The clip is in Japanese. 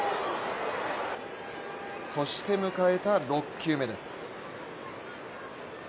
そして、迎えた６球目です。